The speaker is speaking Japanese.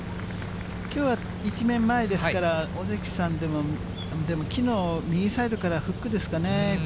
きょうは一面前ですから、尾関さんでも、右サイドからフックですかね。